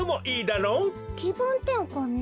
きぶんてんかんね。